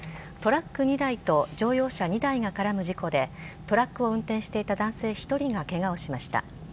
トラック２台と乗用車２台が絡む事故でトラックを運転していた男性１人がケガをしました。